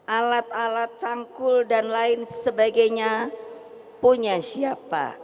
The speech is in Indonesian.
alat alat cangkul dan lain sebagainya punya siapa